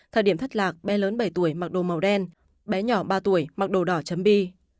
thời điểm thất lạc bé lớn bảy tuổi mặc đồ màu đen bé nhỏ ba tuổi mặc đồ đỏ chấm bi